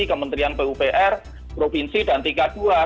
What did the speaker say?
kementerian pupr provinsi dan tingkat dua